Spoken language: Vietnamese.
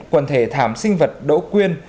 quần thể thảm sinh vật đỗ quyên